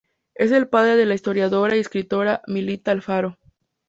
Es el padre de la historiadora y escritora Milita Alfaro.